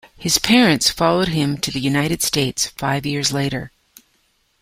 His parents followed him to the United States five years later.